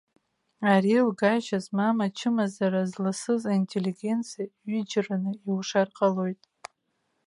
Ари лгашьа змам ачымазара зласыз аинтеллигенциа ҩыџьараны иушар ҟалоит.